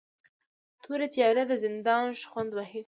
تورې تیارې د زندان شخوند وهي